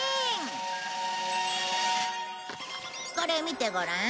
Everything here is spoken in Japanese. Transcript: これ見てごらん。